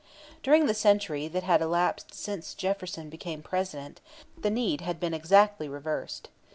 During the century that had elapsed since Jefferson became President the need had been exactly reversed.